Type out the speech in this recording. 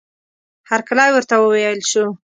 هرکلی ورته وویل شو.